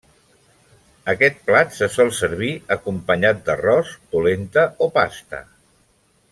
Aquest plat se sol servir acompanyat d'arròs, polenta o pasta.